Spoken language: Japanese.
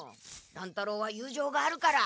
乱太郎は友情があるから。